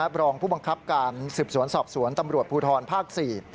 รองผู้บังคับการสืบสวนสอบสวนตำรวจภูทรภาค๔